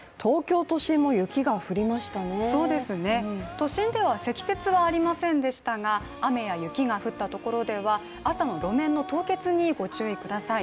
都心では積雪はありませんでしたが雨や雪が降ったところでは朝の路面の凍結にご注意ください。